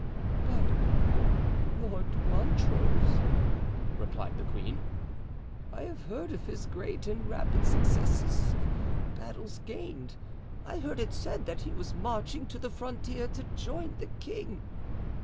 "But Lord Montrose," replied the queen, "I have heard of his great and rapid successes of battles gained. I heard it said that he was marching to the frontier to join the king."